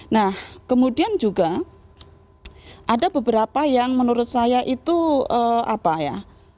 nah kemudian juga ada beberapa yang menurut saya itu apa ya